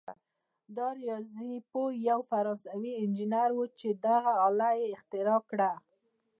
دا ریاضي پوه یو فرانسوي انجنیر وو چې دغه آله یې اختراع کړه.